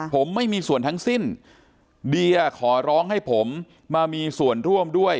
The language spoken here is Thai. ผมไม่มีส่วนทั้งสิ้นเดียขอร้องให้ผมมามีส่วนร่วมด้วย